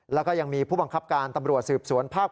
แล้วก็ยังมีผู้บังคับการตำรวจสืบสวนภาค๑